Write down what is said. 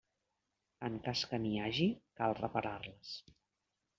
En cas que n'hi hagi, cal reparar-les.